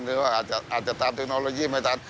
หรือว่าอาจจะตามเทคโนโลยีไม่ทัน